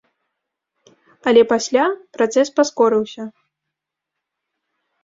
Але пасля працэс паскорыўся.